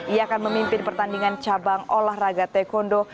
ia akan memimpin pertandingan cabang olahraga taekwondo